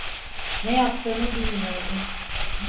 Ne yaptığımı bilmiyordum.